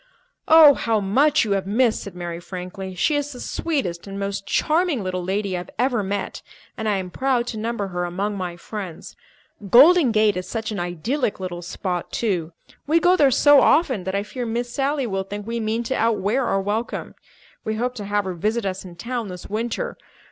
"Oh, how much you have missed!" said Mary frankly. "She is the sweetest and most charming little lady I have ever met, and I am proud to number her among my friends. Golden Gate is such an idyllic little spot, too. We go there so often that I fear Miss Sally will think we mean to outwear our welcome. We hope to have her visit us in town this winter.